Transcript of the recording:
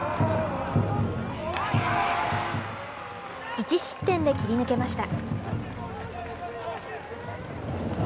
１失点で切り抜けました。